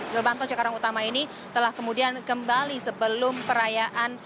gerbang tol cikarang utama ini telah kemudian kembali sebelum perayaan